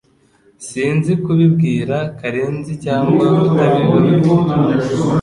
Sinzi kubibwira Karenzi cyangwa kutabibabwira